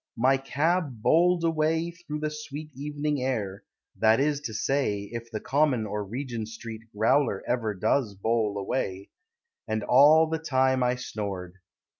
My cab Bowled away Through the sweet evening air (That is to say, If the common or Regent Street growler Ever does bowl away), And all the time I snored.